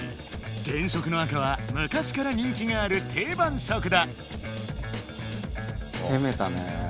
原色の赤は昔から人気がある定番色だ！